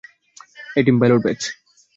এই team pilot batch.